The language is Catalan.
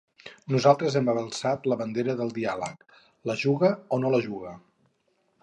Nosaltres hem alçat la bandera del diàleg; la juga o no la juga.